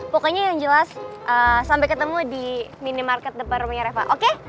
pokoknya yang jelas sampai ketemu di mini market depan rumahnya reva oke